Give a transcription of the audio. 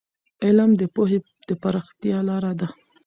علم د پوهې د پراختیا لار ده.